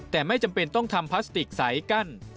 แต่ไม่จำเป็นต้องทำพลาสติกสายกั้น